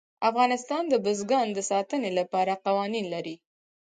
افغانستان د بزګان د ساتنې لپاره قوانین لري.